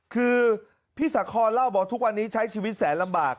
คือพี่สาคอนเล่าบอกทุกวันนี้ใช้ชีวิตแสนลำบาก